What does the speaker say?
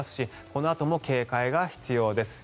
このあとも警戒が必要です。